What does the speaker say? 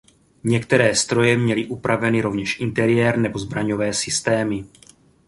Některé stroje měly upraveny rovněž interiér nebo zbraňové systémy.